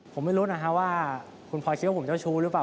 ผมไม่รู้นะฮะว่าคุณพลอยคิดว่าผมเจ้าชู้หรือเปล่า